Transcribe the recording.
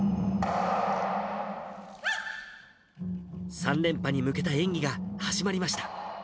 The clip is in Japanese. ３連覇に向けた演技が始まりました。